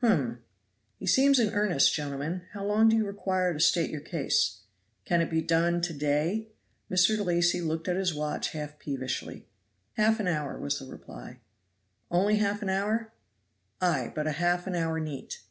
"Hum! he seems in earnest, gentlemen. How long do you require to state your case? Can it be done to day?" Mr. Lacy looked at his watch half peevishly. "Half an hour," was the reply. "Only half an hour?" "Ay, but half an hour neat."